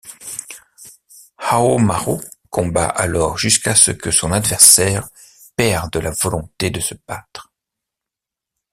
Haohmaru combat alors jusqu'à ce que son adversaire perde la volonté de se battre.